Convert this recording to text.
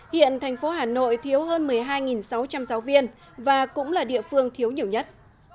hiện thành phố hà nội thiếu hơn một mươi hai sáu trăm linh giáo viên và cũng là địa phương thiếu nhiều nhất